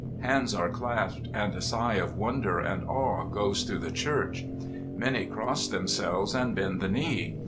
Hands are clasped, and a sigh of wonder and awe goes through the church. Many cross themselves and bend the knee.